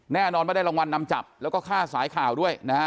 แน่นอนว่าได้รางวัลนำจับแล้วก็ค่าสายข่าวด้วยนะฮะ